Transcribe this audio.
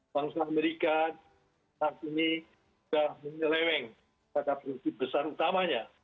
bangsa amerika saat ini sudah menyeleweng pada prinsip besar utamanya